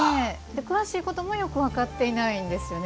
詳しいこともよく分かってないんですよね。